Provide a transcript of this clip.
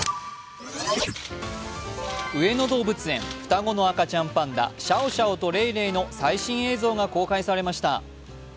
上野動物園双子の赤ちゃんパンダ、シャオシャオとレイレイの最新映像が公開されました。